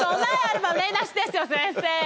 先生！